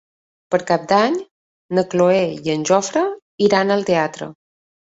Per Cap d'Any na Cloè i en Jofre iran al teatre.